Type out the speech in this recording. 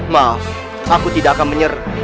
maaf aku tidak akan menyerah